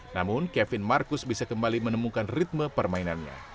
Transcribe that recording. namun kevin marcus bisa kembali menemukan ritme permainannya